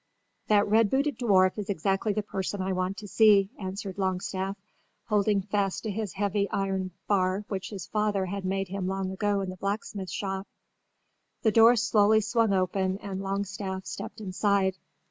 "That red booted dwarf is exactly the person I want to see," answered Longstaff, holding fast to his heavy iron bar which his father had made him long ago in the blacksmith's shop. The door slowly swung open and Longstaff stepped inside.